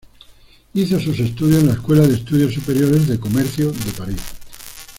Hizo sus estudios en la Escuela de Estudios Superiores de Comercio de París.